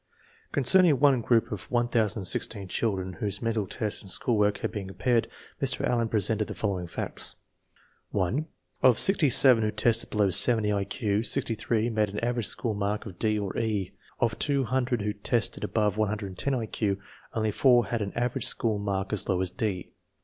Concerning one group of 1016 children whose men tal test and school work had been compared, Mr. Allen presents the following facts : 1. Of sixty seven who tested below 70 I Q, sixty three made an average school mark of D or E. Of two hun dred who tested above 110 1 Q, only four had an average school mark as low as D.